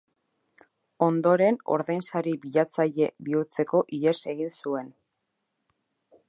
Ondoren ordainsari bilatzaile bihurtzeko ihes egin zuen.